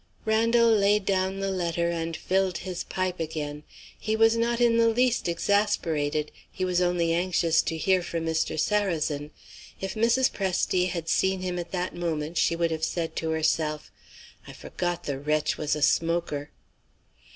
Randal laid down the letter and filled his pipe again. He was not in the least exasperated; he was only anxious to hear from Mr. Sarrazin. If Mrs. Presty had seen him at that moment, she would have said to herself: "I forgot the wretch was a smoker."